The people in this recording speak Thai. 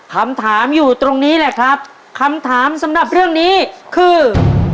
คำถามอยู่ตรงนี้แหละครับคำถามสำหรับเรื่องนี้คือ